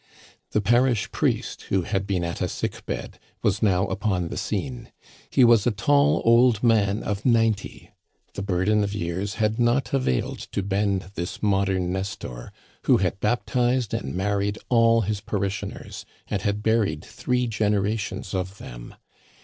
The parish priest, who had been at a sick bed, was now upon the scene. He was a tall old man of ninety. The burden of years had not availed to bend this mod ern Nestor, who had baptized and married all his pa rishioners, and had buried three generations of them.